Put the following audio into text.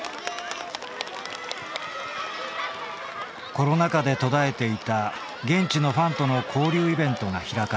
コロナ禍で途絶えていた現地のファンとの交流イベントが開かれた。